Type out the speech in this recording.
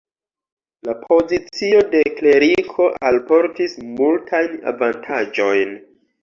La pozicio de kleriko alportis multajn avantaĝojn.